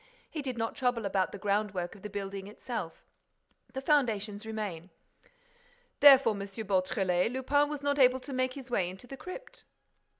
He did not trouble about the groundwork of the building itself. The foundations remain." "Therefore, M. Beautrelet, Lupin was not able to make his way into the crypt."